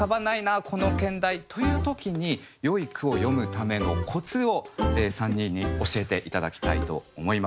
この兼題」という時によい句を詠むためのコツを３人に教えて頂きたいと思います。